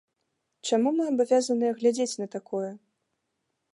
Чаму мы абавязаныя глядзець на такое?